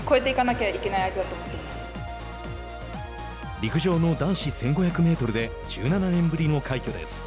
陸上の男子１５００メートルで１７年ぶりの快挙です。